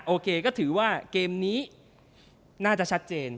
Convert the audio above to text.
โอเคก็ถือว่าเกมนี้น่าจะชัดเจน